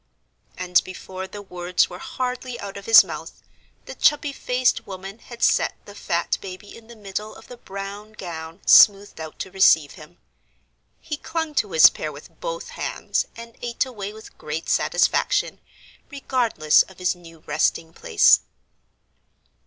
And before the words were hardly out of his mouth, the chubby faced woman had set the fat baby in the middle of the brown gown smoothed out to receive him. He clung to his pear with both hands and ate away with great satisfaction, regardless of his new resting place.